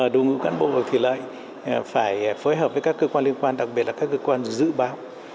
đồng hữu cán bộ và thủy lợi phải phối hợp với các cơ quan liên quan đặc biệt là các cơ quan dự báo